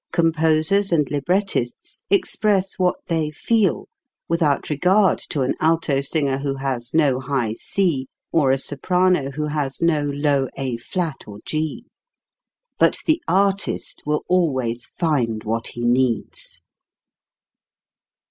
Composers and librettists express what they feel without regard to an alto singer who has no high C or a sporano who has no low A flat or G. But the artist will always find what he needs.